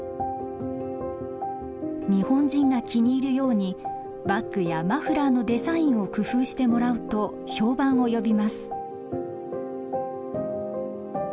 日本人が気に入るようにバッグやマフラーのデザインを工夫してもらうと評判を呼びます。